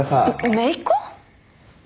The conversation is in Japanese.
めいっ子！？